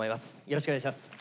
よろしくお願いします。